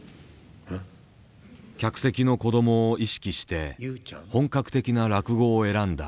客席の子どもを意識して本格的な落語を選んだ。